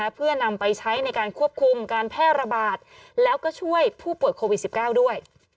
เพื่อนำไปใช้ในการควบคุมการแพร่ระบาดแล้วก็ช่วยผู้ป่วยโควิด๑๙ด้วย